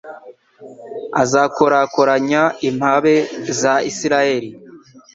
azakorakoranya impabe za Israheli